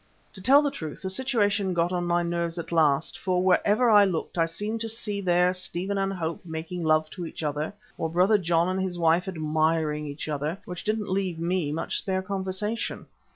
To tell the truth, the situation got a little on my nerves at last, for wherever I looked I seemed to see there Stephen and Hope making love to each other, or Brother John and his wife admiring each other, which didn't leave me much spare conversation.